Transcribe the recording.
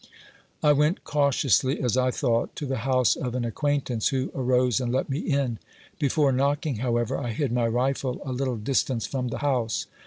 I went cautiously, as I thought, to the house of an ac quaintance, who arose and let me in. Before knocking, how ever, I hid my rifle a little distance from the house.